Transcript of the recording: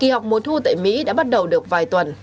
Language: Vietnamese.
kỳ học mùa thu tại mỹ đã bắt đầu được vài tuần